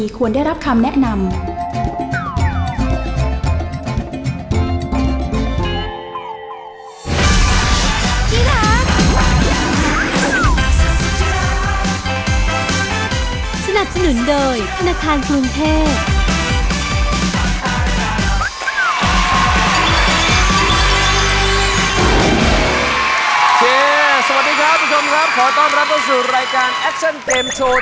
ขอต้อนรับเข้าสู่รายการแอคชั่นเกมโชว์